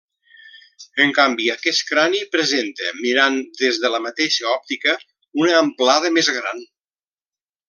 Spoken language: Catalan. En canvi aquest crani presenta, mirant des de la mateixa òptica, una amplada més gran.